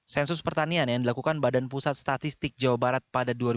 sensus pertanian yang dilakukan badan pusat statistik jawa barat pertanian